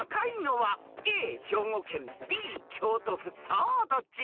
［さあどっち？］